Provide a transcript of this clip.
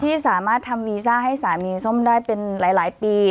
ที่สามารถทำวีซ่าให้สามีส้มได้เป็นหลายปี